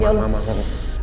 iya kuat kok